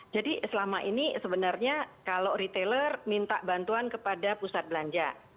jadi selama ini sebenarnya kalau retailer minta bantuan kepada pusat belanja